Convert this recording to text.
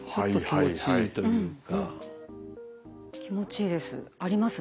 気持ちいいです。